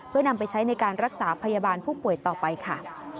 เพื่อนำไปใช้ในการรักษาพยาบาลผู้ป่วยต่อไปค่ะ